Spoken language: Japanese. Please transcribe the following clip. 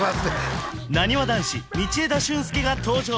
なにわ男子道枝駿佑が登場